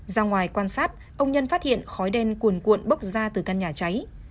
ra ngoài quan sát ông nhân phát hiện khói đen cuồn cuộn bốc ra từ căn nhà cháy